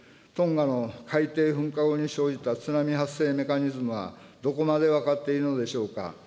トンガの海底噴火後に生じた津波発生メカニズムは、どこまで分かっているのでしょうか。